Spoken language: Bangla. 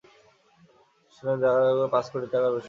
শুনে দুই ডাকাত বারবার গুনেও পাঁচ কোটি টাকার বেশি অর্থ পেল না।